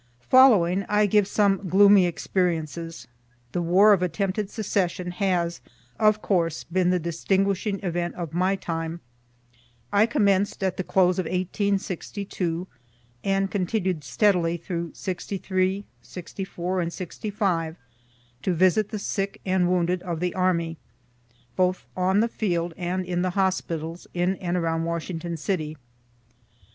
Following, I give some gloomy experiences. The war of attempted secession has, of course, been the distinguishing event of my time. I commenced at the close of 1862, and continued steadily through '63, '64 and '65, to visit the sick and wounded of the army, both on the field and in the hospitals in and around Washington city.